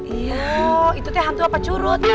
iya itu tuh hantu apa curut